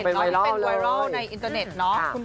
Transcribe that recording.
เราก็เห็นตอนนี้เป็นไวรอลในอินเทอร์เน็ตเนอะ